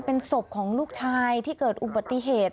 เป็นศพของลูกชายที่เกิดอุบัติเหตุ